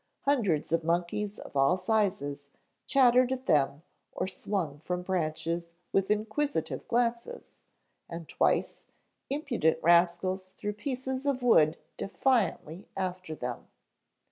Hundreds of monkeys of all sizes chattered at them or swung from branches with inquisitive glances, and twice, impudent rascals threw pieces of wood defiantly after them.